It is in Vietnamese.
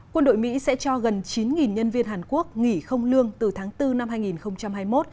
quân đội mỹ sẽ cho gần chín nhân viên hàn quốc nghỉ không lương từ tháng bốn năm hai nghìn hai mươi một